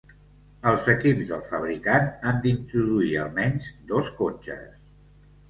Els equips del fabricant han d'introduir "almenys" dos cotxes.